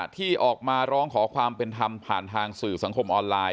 ที่ออกมาร้องขอความเป็นธรรมผ่านทางสื่อสังคมออนไลน